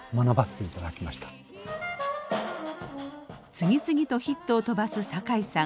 次々とヒットを飛ばす酒井さん。